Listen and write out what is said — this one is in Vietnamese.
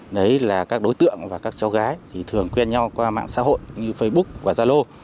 đấy là các đối tượng và các cháu gái thì thường quen nhau qua mạng xã hội như facebook và zalo